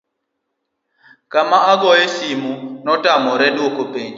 kane ogoye simo, notamore dwoko penjo